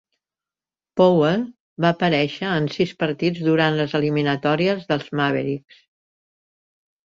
Powell va aparèixer en sis partits durant les eliminatòries dels Mavericks.